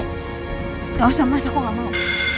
tidak usah mas aku gak mau